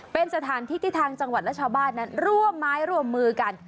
เป็นสถานที่ที่ทางจังหวัดและชาวบ้านนั้นร่วมไม้ร่วมมือกัน